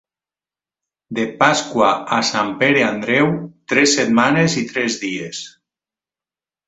De Pasqua a Sant Pere Andreu, tres setmanes i tres dies.